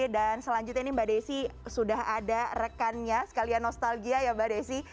dan selanjutnya ini mbak desi sudah ada rekannya sekalian nostalgia ya mbak desi